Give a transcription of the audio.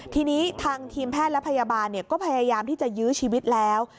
ทีนี้ทางทีมแพทย์และพยาบาลก็พยายามที่จะยื้อชีวิตแล้ว